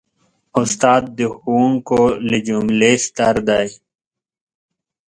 استاد د ښوونکو له جملې ستر دی.